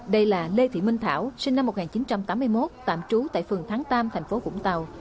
đây là lê thị minh thảo sinh năm một nghìn chín trăm tám mươi một tạm trú tại phường thắng tam thành phố vũng tàu